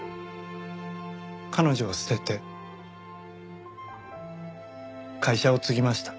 彼女を捨てて会社を継ぎました。